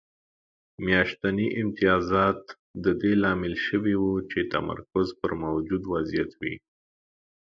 میاشتني امتیازات د دې لامل شوي وو چې تمرکز پر موجود وضعیت وي